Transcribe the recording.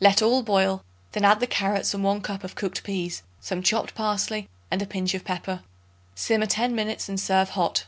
Let all boil; then add the carrots and 1 cup of cooked peas, some chopped parsley and a pinch of pepper. Simmer ten minutes and serve hot.